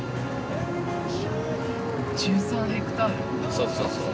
そうそうそう。